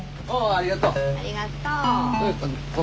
ありがとう。